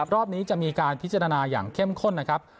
รอบนี้จะมีการพิจารณาอย่างเข้มข้นนะครับ